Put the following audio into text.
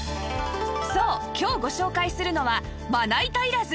そう今日ご紹介するのはまな板いらず！